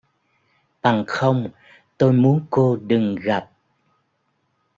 Bằng không, tôi muốn cô đừng gặp